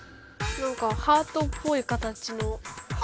なんかハートっぽい形の頭。